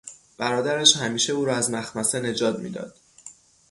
برادرش همیشه او را از مخمصه نجات میداد.